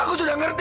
aku sudah ngeri